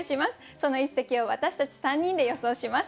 その一席を私たち３人で予想します。